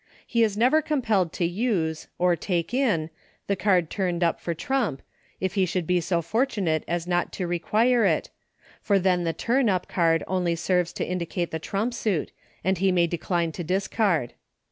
He is never compelled to use, or take in, the card turned up for trump, if he should be so fortunate as not to r equire it, for then the turn up card only serves to indicate the trump suit, and he may decline to discard.